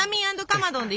かまどん！